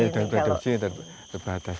hutan produksi terbatas